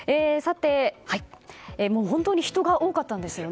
もう本当に人が多かったんですよね。